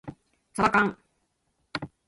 さばかん